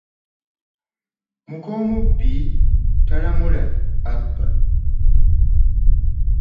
Muka omubbi talamula abba .